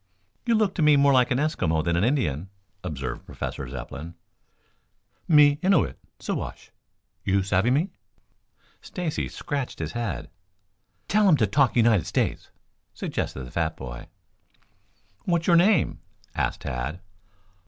"You look to me more like an Eskimo than an Indian," observed Professor Zepplin. "Me Innuit Siwash. You savvy me?" Stacy scratched his head. "Tell him to talk United States," suggested the fat boy. "What is your name?" asked Tad.